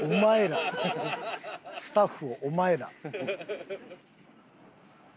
スタッフを「お前ら」。